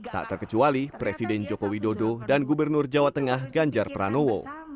tak terkecuali presiden joko widodo dan gubernur jawa tengah ganjar pranowo